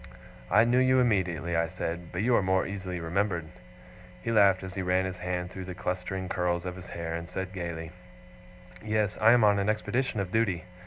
'I knew you immediately,' I said; 'but you are more easily remembered.' He laughed as he ran his hand through the clustering curls of his hair, and said gaily: 'Yes, I am on an expedition of duty.